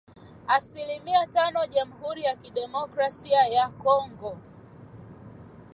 asilimia tano Jamhuri ya Kidemokrasia ya Kongo